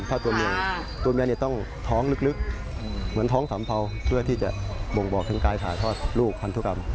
ถ้าตัวเมียตัวเมียต้องท้องลึกเหมือนท้องสามเภาเพื่อที่จะบ่งบอกถึงการถ่ายทอดลูกพันธุกรรม